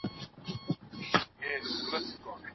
میرویس خان تاتار نه و.